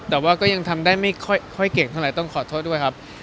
แต่ว่าก็ยังทำได้ไม่ค่อยเก่งเท่าไหร่ต้องขอโทษด้วยครับ